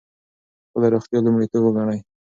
خپله روغتیا لومړیتوب وګڼئ.